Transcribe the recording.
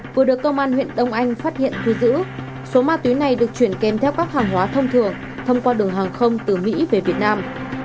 vừa được công an huyện đông anh phát hiện thu giữ số ma túy này được chuyển kèm theo các hàng hóa thông thường thông qua đường hàng không từ mỹ về việt nam